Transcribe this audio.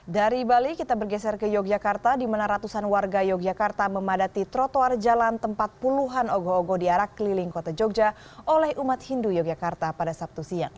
dari bali kita bergeser ke yogyakarta di mana ratusan warga yogyakarta memadati trotoar jalan tempat puluhan ogoh ogo diarak keliling kota yogyakarta oleh umat hindu yogyakarta pada sabtu siang